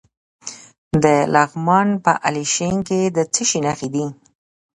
د لغمان په الیشنګ کې د څه شي نښې دي؟